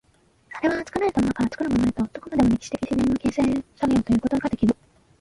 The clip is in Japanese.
それは作られたものから作るものへとして、どこまでも歴史的自然の形成作用ということができる。